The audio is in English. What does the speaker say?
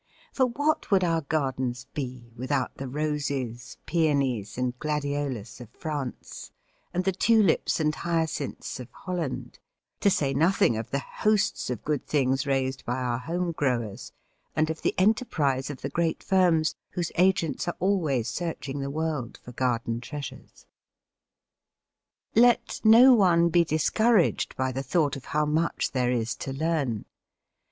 For what would our gardens be without the Roses, Pæonies, and Gladiolus of France, and the Tulips and Hyacinths of Holland, to say nothing of the hosts of good things raised by our home growers, and of the enterprise of the great firms whose agents are always searching the world for garden treasures? Let no one be discouraged by the thought of how much there is to learn.